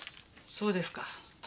そうですか。